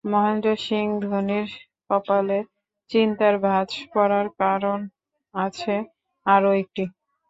মহেন্দ্র সিং ধোনির কপালে চিন্তার ভাঁজ পড়ার কারণ আছে আরও একটি।